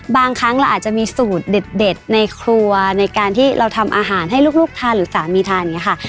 บางครั้งเราอาจจะมีสูตรเด็ดในครัวในการที่เราทำอาหารให้ลูกทานหรือสามีทานอย่างนี้ค่ะ